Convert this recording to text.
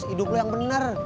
hidup lu yang bener